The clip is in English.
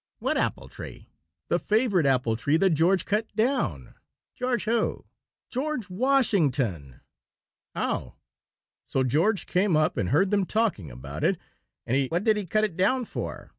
"What apple tree?" "The favorite apple tree that George cut down." "George who?" "George Washington." "Oh!" "So George came up and heard them talking about it, and he " "What did he cut it down for?"